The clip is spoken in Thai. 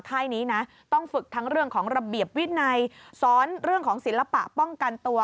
ซ้อนเรื่องของศิลปะป้องกันตัว